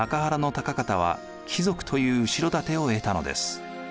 高方は貴族という後ろ盾を得たのです。